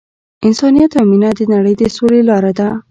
انسانیت او مینه د نړۍ د سولې لاره ده.